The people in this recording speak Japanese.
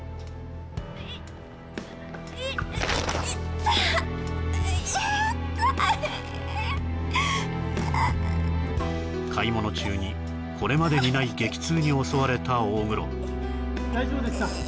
痛い買い物中にこれまでにない激痛に襲われた大黒大丈夫ですか？